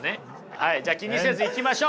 はいじゃあ気にせずいきましょう！